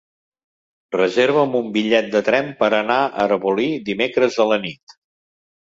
Reserva'm un bitllet de tren per anar a Arbolí dimecres a la nit.